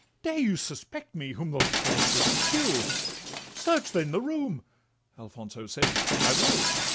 Dare you suspect me, whom the thought would kill? Search, then, the room!'—Alfonso said, 'I will.